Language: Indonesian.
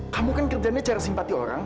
kamu kan kerjaannya cara simpati orang